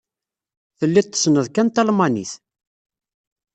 Telliḍ tessneḍ kan talmanit.